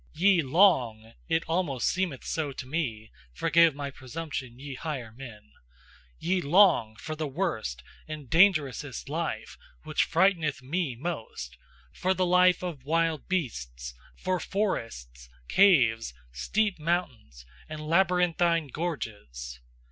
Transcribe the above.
Ye long (it almost seemeth so to me forgive my presumption, ye higher men) Ye long for the worst and dangerousest life, which frighteneth ME most, for the life of wild beasts, for forests, caves, steep mountains and labyrinthine gorges.